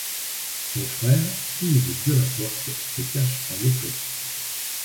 Son frère, Yves Delaporte, se cache en Écosse.